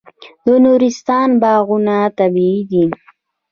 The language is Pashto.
د نورستان باغونه طبیعي دي.